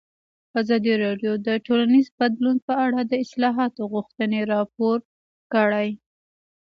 ازادي راډیو د ټولنیز بدلون په اړه د اصلاحاتو غوښتنې راپور کړې.